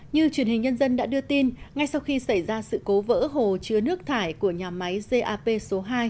như truyền hình nhân dân đã đưa tin ngay sau khi xảy ra sự cố vỡ hồ chứa nước thải của nhà máy gap số hai